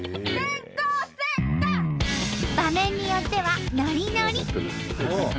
場面によってはノリノリ！